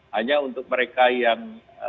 hanya untuk mereka yang